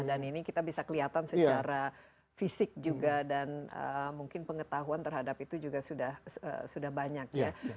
dan ini kita bisa kelihatan secara fisik juga dan mungkin pengetahuan terhadap itu juga sudah banyak ya